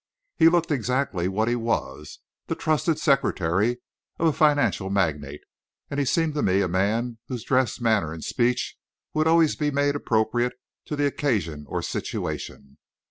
He looked exactly what he was, the trusted secretary of a financial magnate, and he seemed to me a man whose dress, manner, and speech would always be made appropriate to the occasion or situation.